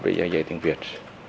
để giải dạy tiếng việt